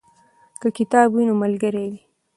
که کتاب وي نو ملګری وي.